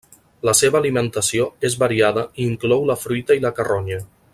La seva alimentació és variada i inclou la fruita i la carronya.